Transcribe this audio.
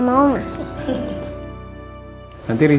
siap berangkat kartu dulu